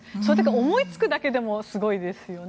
思いつくだけでもすごいですよね。